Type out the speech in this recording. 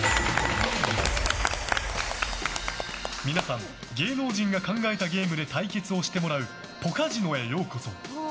皆さん、芸能人が考えたゲームで対決をしてもらうポカジノへようこそ。